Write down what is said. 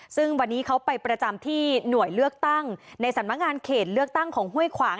ซึ่งวันนี้เขาไปประจำที่หน่วยเลือกตั้งในสำนักงานเขตเลือกตั้งของห้วยขวาง